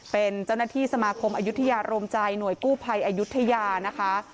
เป็นเจ้าหน้าที่สมาคมอายุทยาโรมใจหน่วยกู้ภัยอายุทยานะคะ